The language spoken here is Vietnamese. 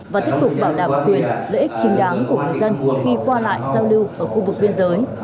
và tiếp tục bảo đảm quyền lợi ích chính đáng của người dân khi qua lại giao lưu ở khu vực biên giới